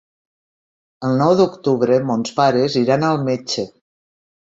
El nou d'octubre mons pares iran al metge.